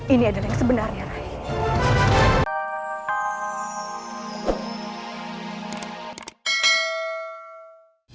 ini adalah yang sebenarnya